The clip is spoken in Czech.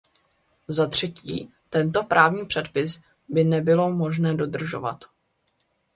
Zatřetí, tento právní předpis by nebylo možné dodržovat.